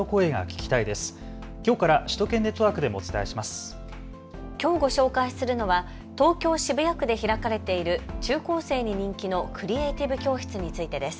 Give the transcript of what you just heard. きょう、ご紹介するのは東京渋谷区で開かれている中高生に人気のクリエイティブ教室についてです。